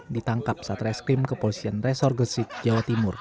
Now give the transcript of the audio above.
ditangkap saat reskrim kepolisian resor gresik jawa timur